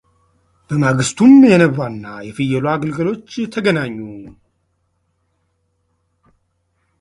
በማግስቱም የነብሯና የፍየሏ ግልገሎች ተገናኙ፡፡